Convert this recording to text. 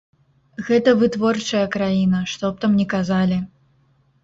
Гэта вытворчая краіна, што б там ні казалі.